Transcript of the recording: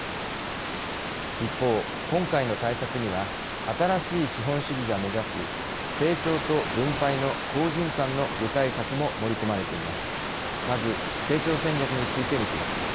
一方、今回の対策には新しい資本主義が目指す成長と分配の好循環の具体策も盛り込まれています。